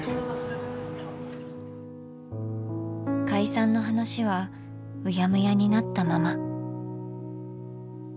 解散の話はうやむやになったまま。